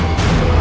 aku akan menang